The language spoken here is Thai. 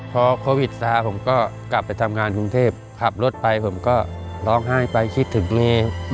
พอโควิดซ้าผมก็กลับทำงานผู้ที่ภาคกรุงเทพฯขับรถไปผมก็ร้องไห้ไปคิดถึงเกรม